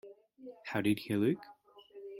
How did he look?